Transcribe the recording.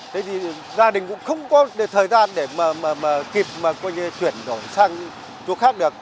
thế thì gia đình cũng không có thời gian để mà kịp mà chuyển đổi sang chỗ khác được